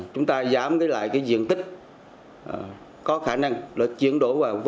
chúng ta giảm lại diện tích có khả năng để chuyển đổi vào cây trồng khác